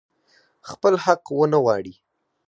خپل حق ونه غواړي.